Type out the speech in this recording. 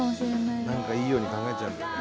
何かいいように考えちゃうんだよね。